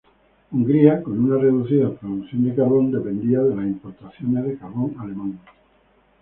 Hungría con una reducida producción de carbón, dependía de las importaciones de carbón alemán.